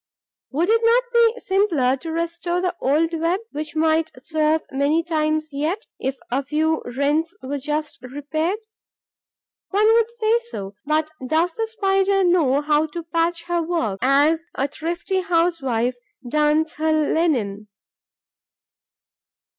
Would it not be simpler to restore the old web, which might serve many times yet, if a few rents were just repaired? One would say so; but does the Spider know how to patch her work, as a thrifty housewife darns her linen?